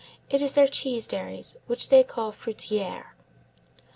It is their cheese dairies, which they call fruitières.